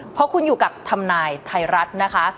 เพราะคุณอยู่กับทำนายไทยรัฐนะคะ